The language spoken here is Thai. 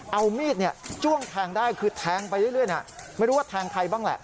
เอามีดจ้วงแทงได้คือแทงไปเรื่อยไม่รู้ว่าแทงใครบ้างแหละ